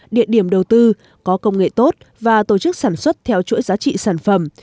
địa điểm đầu tư có công nghệ tốt và tổ chức sản xuất theo chuỗi giá trị sản phẩm